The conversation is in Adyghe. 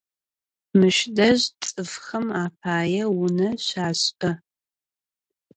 Mış dej ts'ıfxem apaê vune şaş'ı.